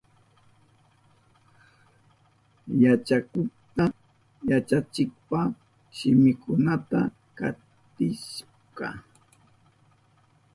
Yachakukka yachachikpa shiminkunata katichishka.